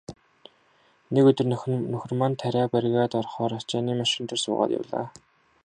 Нэг өдөр нөхөр маань тариа бригад орохоор ачааны машин дээр суугаад явлаа.